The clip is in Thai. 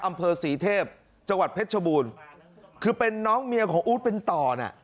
อำเภอศรีเทพจังหวัดเพชรชบูรณ์คือเป็นน้องเมียของอู๊ดเป็นต่อน่ะ